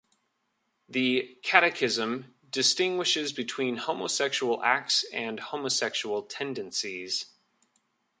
The Catechism distinguishes between homosexual acts and homosexual tendencies.